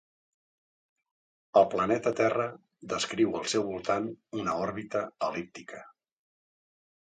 El planeta Terra descriu al seu voltant una òrbita el·líptica.